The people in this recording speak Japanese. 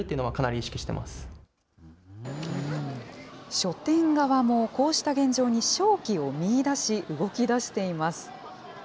書店側もこうした現状に商機を見いだし、動きだしています。